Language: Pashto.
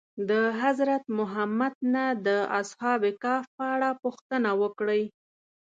د حضرت محمد نه د اصحاب کهف په اړه پوښتنه وکړئ.